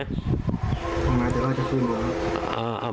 อันนั้นเราจะล่นแล้ว